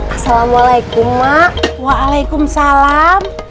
assalamualaikum mak waalaikumsalam